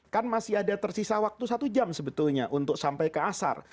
kan masih ada tersisa waktu satu jam sebetulnya untuk sampai ke asar